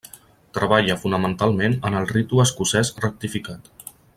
Treballa fonamentalment en el Ritu Escocès Rectificat.